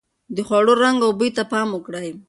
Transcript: د خوړو رنګ او بوی ته پام وکړئ.